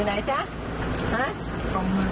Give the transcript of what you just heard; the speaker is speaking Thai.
ไม่ห่างติดตามไม่เศร้า